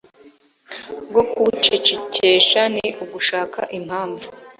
bwo kuwucecekesha ni ugushaka impamvu